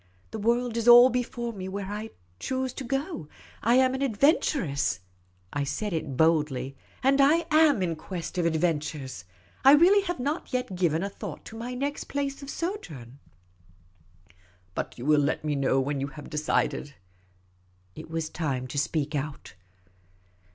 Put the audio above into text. " The world is all before me where to choose. I am an adventuress," I said it boldly, " and I am in quest of adventures. I really have not yet given a thought to my next place of sojourn," " But you will let me know when you have decided ?" It was time to speak out.